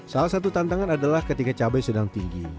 salah satu tantangan adalah ketika cabai sedang tinggi